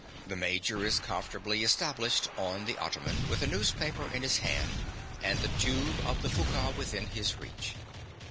The major is comfortably established on the ottoman, with a newspaper in his hand and the tube of the hookah within his reach.